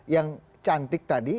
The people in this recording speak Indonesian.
yang cantik tadi